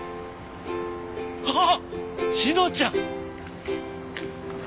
あっ志乃ちゃん。